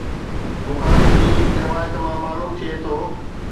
بخاري جي هڪ روايت مان معلوم ٿئي ٿو